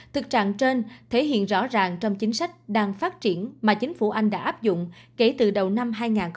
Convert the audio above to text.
thực trạng trên thể hiện rõ ràng trong chính sách đang phát triển mà chính phủ anh đã áp dụng kể từ đầu năm hai nghìn một mươi